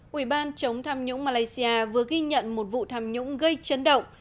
ủy ban chống tham nhũng malaysia vừa ghi nhận một vụ tham nhũng gây chấn động